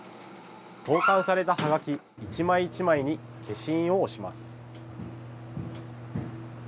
投かんされたはがき一枚一枚に消印を押します。